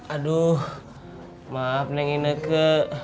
aduh maaf neng ineke